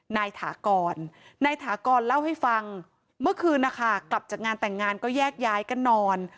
ถากรนายถากรเล่าให้ฟังเมื่อคืนนะคะกลับจากงานแต่งงานก็แยกย้ายกันนอน